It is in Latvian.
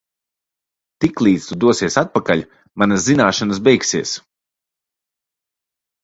Tiklīdz tu dosies atpakaļ, manas zināšanas beigsies.